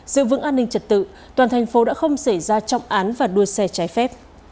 giữ vững an ninh trật tự toàn thành phố đã không xảy ra trọng án và đua xe trái phép